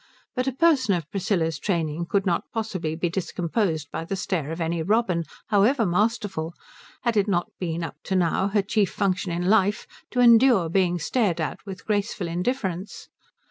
But a person of Priscilla's training could not possibly be discomposed by the stare of any Robin, however masterful; had it not been up to now her chief function in life to endure being stared at with graceful indifference?